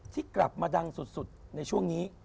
ที่กลับมาดังสุดในช่วงนี้